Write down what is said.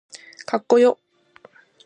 かっこよ